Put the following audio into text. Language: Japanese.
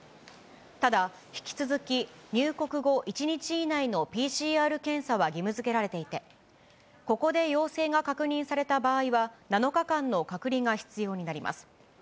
ただ、引き続き、入国後１日以内のＰＣＲ検査は義務づけられていて、ここで陽性が確認された場合は、７日間の隔離が必要になります。